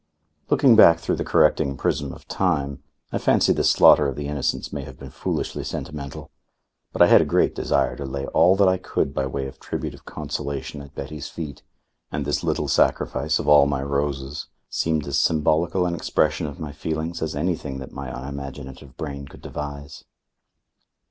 Looking back through the correcting prism of time, I fancy this slaughter of the innocents may have been foolishly sentimental. But I had a great desire to lay all that I could by way of tribute of consolation at Betty's feet, and this little sacrifice of all my roses seemed as symbolical an expression of my feelings as anything that my unimaginative brain could devise.